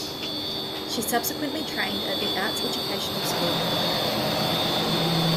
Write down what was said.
She subsequently trained at the Arts Educational School in London.